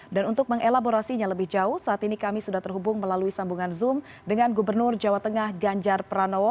dan untuk mengelaborasinya lebih jauh saat ini kami sudah terhubung melalui sambungan zoom dengan gubernur jawa tengah ganjar pranowo